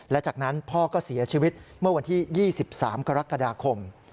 และจากนั้นพ่อก็เสียชีวิตเมื่อวันที่๒๓กรกฎาคม